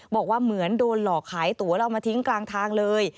บอกว่าเหมือนโดนหลอกขายตั๋วแล้วเอามาทิ้งกลางทางเลย